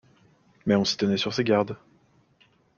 Mais on s'y tenait sur ses gardes.